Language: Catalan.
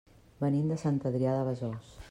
Venim de Sant Adrià de Besòs.